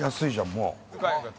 もう。